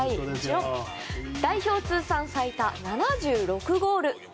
代表通算最多７６ゴール。